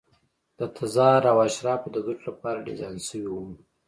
د تزار او اشرافو د ګټو لپاره ډیزاین شوي وو.